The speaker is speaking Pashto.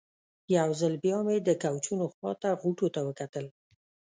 یو ځل بیا مې د کوچونو خوا ته غوټو ته وکتل.